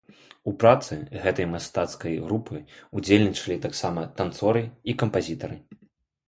У працы гэтай мастацкай групы ўдзельнічалі таксама танцоры і кампазітары.